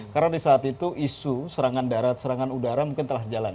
karena di saat itu isu serangan darat serangan udara mungkin telah berjalan